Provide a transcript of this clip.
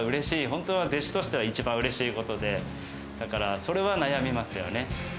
本当は弟子としては一番うれしいことで、だから、それは悩みますよね。